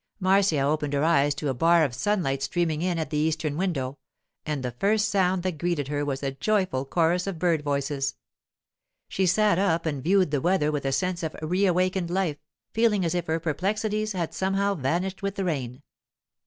Marcia opened her eyes to a bar of sunlight streaming in at the eastern window, and the first sound that greeted her was a joyful chorus of bird voices. She sat up and viewed the weather with a sense of re awakened life, feeling as if her perplexities had somehow vanished with the rain.